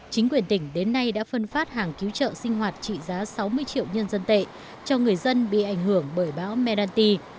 chính quyền tỉnh đến nay đã phân phát hàng cứu trợ sinh hoạt trị giá sáu mươi triệu nhân dân tệ cho người dân bị ảnh hưởng bởi bão menalti